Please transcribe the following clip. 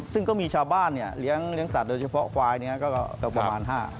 ซึ่งก็มีชาวบ้านเนี่ยเลี้ยงสัตว์โดยเฉพาะควายเนี่ยก็ประมาณ๕